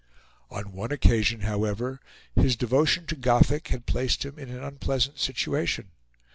On one occasion, however, his devotion to Gothic had placed him in an unpleasant situation.